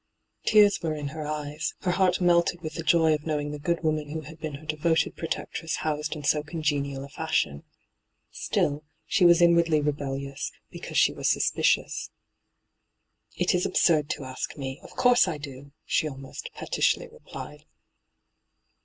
Tears were in her eyes ; her heart melted with the joy of knowing the good woman who had been her devoted protectress housed in so congenial a fashion. Still, she was inwardly rebeUioua, because she was saspicioua. D,gt,, 6rtbyGOOglC 262 ENTRAPPED ' It is absurd to ask me. Of course I do I' she almost pettishly replied.